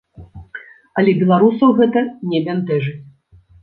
Але беларусаў гэта не бянтэжыць.